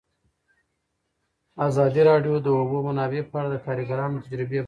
ازادي راډیو د د اوبو منابع په اړه د کارګرانو تجربې بیان کړي.